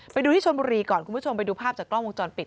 ไปดูที่ชนบุรีก่อนคุณผู้ชมไปดูภาพจากกล้องวงจรปิด